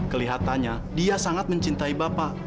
kelihatannya dia sangat mencintai bapak